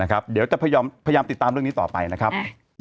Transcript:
เดี๋ยวจะพยายามติดตามเรื่องนี้ต่อไปนะครับ